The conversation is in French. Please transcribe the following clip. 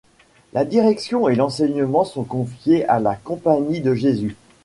La direction et l'enseignement sont confiées à la compagnie de Jésus.